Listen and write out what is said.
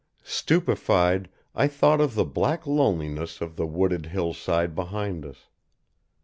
Stupefied, I thought of the black loneliness of the wooded hillside behind us.